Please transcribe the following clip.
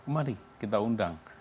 mari kita undang